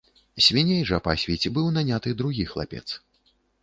Свіней жа пасвіць быў наняты другі хлапец.